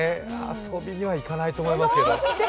遊びには行かないと思いますけど。